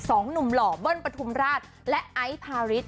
สองหนุ่มหล่อเบิ้ลปฐุมราชและไอซ์พาริส